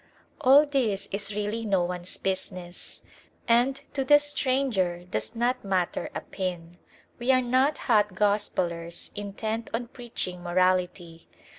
All this is really no one's business, and to the stranger does not matter a pin. We are not Hot Gospellers intent on preaching morality.